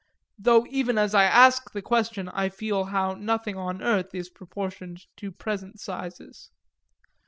though even as I ask the question I feel how nothing on earth is proportioned to present sizes.